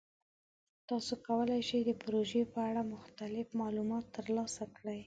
تاسو کولی شئ د پروژې په اړه مختلف معلومات ترلاسه کړئ.